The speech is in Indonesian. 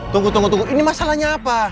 tunggu tunggu tunggu ini masalahnya apa